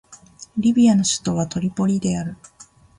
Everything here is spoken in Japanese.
リビアの首都はトリポリである